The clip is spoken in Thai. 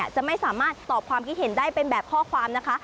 จะไม่สามารถตอบความคิดเห็นได้เป็นแบบข้อความนะคะ